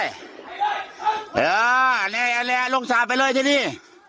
นี่แหละลงสาปไปเลยที่นี่